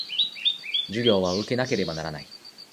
授業は受けなければならない